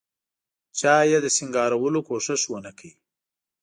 چا یې د سینګارولو کوښښ ونکړ.